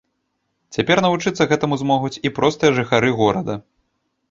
Цяпер навучыцца гэтаму змогуць і простыя жыхары горада.